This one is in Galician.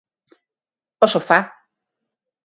O sofá.